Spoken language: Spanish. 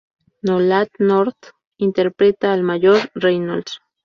Nolan North interpreta al Mayor Reynolds.